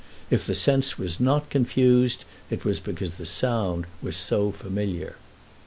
If the sense was not confused it was because the sound was so familiar.